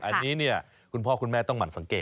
อันนี้เนี่ยคุณพ่อคุณแม่ต้องหมั่นสังเกต